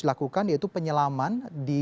dilakukan yaitu penyelaman